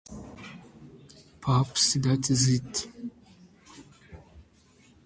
Perhaps that's it.